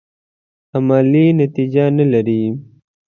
عملي نتیجه نه لري.